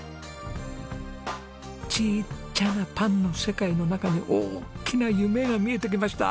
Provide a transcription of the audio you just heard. ちっちゃなパンの世界の中に大きな夢が見えてきました。